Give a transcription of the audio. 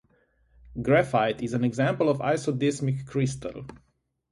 Graphite is an example of an isodesmic crystal.